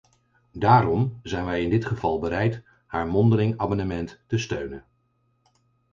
Daarom zijn wij in dit geval bereid haar mondeling amendement te steunen.